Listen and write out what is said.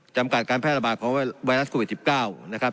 จำกัดการแพร่ระบาดของไวรัสโควิด๑๙นะครับ